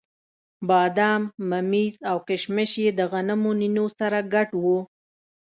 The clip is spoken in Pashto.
بادام، ممیز او کېشمش یې د غنمو نینو سره ګډ وو.